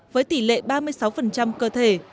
với tỷ lệ ba mươi sáu cơ thể